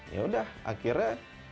ya udah akhirnya